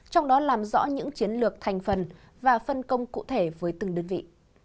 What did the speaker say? trong đó làm rõ những chiến lược thành phần và phân công cụ thể với từng đơn vị